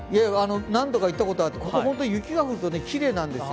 何度か行ったことあってここ雪が降ると本当にきれいなんですよ。